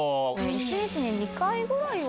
１日に２回ぐらいは。